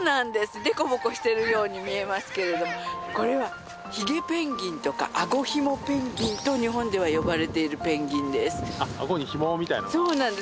凸凹してるように見えますけれどこれはヒゲペンギンとかアゴヒモペンギンと日本では呼ばれているペンギンですあっアゴにヒモみたいのがそうなんです